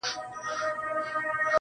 څوك مي دي په زړه باندي لاس نه وهي.